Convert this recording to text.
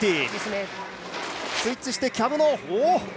スイッチしてキャブの７２０。